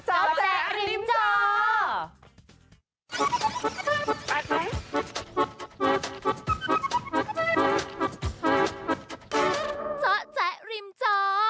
เจาะแจ๊ริมจอ